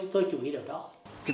tôi chú ý được đó